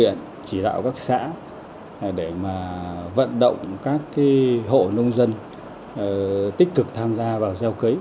huyện chỉ đạo các xã để vận động các hộ nông dân tích cực tham gia vào gieo cấy